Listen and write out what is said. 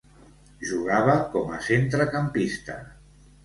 Jugava com a centrecampista.